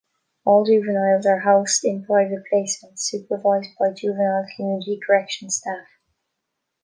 All juveniles are housed in private placements supervised by Juvenile Community Corrections staff.